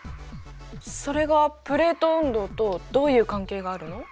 それがプレート運動とどういう関係があるの？